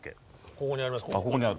ここにあります。